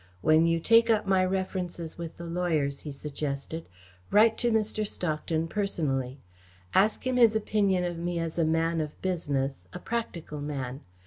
"When you take up my references with the lawyers," he suggested, "write to Mr. Stockton personally. Ask him his opinion of me as a man of business, a practical man.